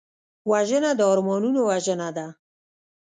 وژنه د ارمانونو وژنه ده